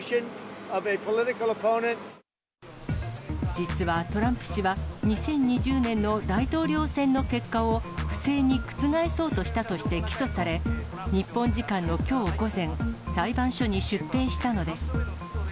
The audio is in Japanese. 実はトランプ氏は、２０２０年の大統領選の結果を、不正に覆そうとしたとして起訴され、日本時間のきょう午前、裁判所に出廷したのです。